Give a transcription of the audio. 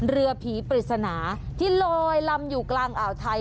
เรือผีปริศนาที่ลอยลำอยู่กลางอ่าวไทย